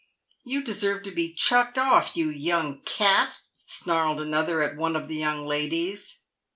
" You deserve to be chucked off, you young cat," snarled another at one of the young ladies.